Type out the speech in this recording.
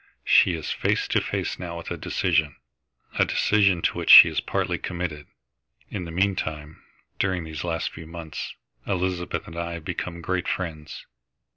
She is face to face now with a decision, a decision to which she is partly committed. In the meantime, during these last few months, Elizabeth and I have become great friends.